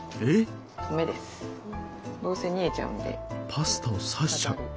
パスタをさしちゃう。